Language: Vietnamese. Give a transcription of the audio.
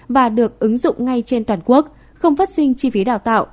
và được ứng dụng ngay trên toàn quốc không phát sinh chi phí đào tạo